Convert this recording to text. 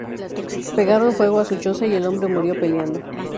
Pegaron fuego a su choza y el hombre murió peleando.